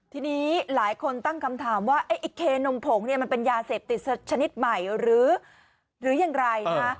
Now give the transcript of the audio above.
ทีนี้หลายคนตั้งคำถามว่าไอ้เคนมผงเนี่ยมันเป็นยาเสพติดชนิดใหม่หรืออย่างไรนะฮะ